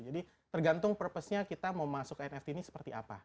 jadi tergantung purpose nya kita mau masuk ke nft ini seperti apa